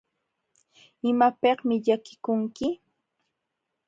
¿Imapiqmi llakikunki?